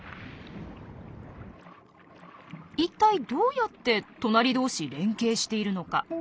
一体どうやって隣同士連係しているのか？